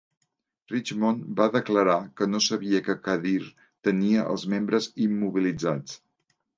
Richmond va declarar que no sabia que Kadir tenia els membres immobilitzats.